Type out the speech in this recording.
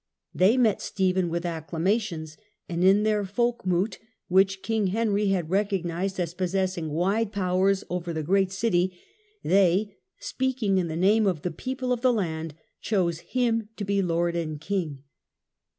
They met Stephen with acclamations, and in their folkmoot, which Kong Henry had recognized as possess ing wide powers over the great city, they, speaking in His corona , the name of the people of the land, chose ^°^' him to be lord and king.